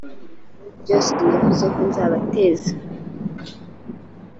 byose navuze ko nzabateza